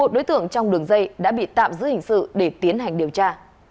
một mươi một đối tượng trong đường dây đã bị tạm giữ hình sự để tiến hành điều tra